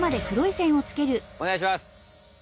おねがいします！